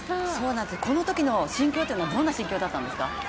このときの心境というのはどんな心境だったんですか？